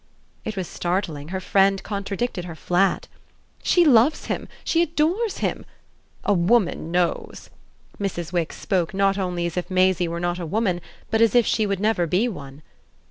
It was startling her friend contradicted her flat. "She loves him she adores him. A woman knows." Mrs. Wix spoke not only as if Maisie were not a woman, but as if she would never be one.